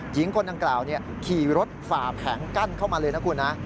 หญิงคนดังกล่าวขี่รถฝ่าแผงกั้นเข้ามาเลยนะคุณนะ